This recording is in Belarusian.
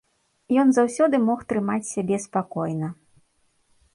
Ён заўсёды мог трымаць сябе спакойна.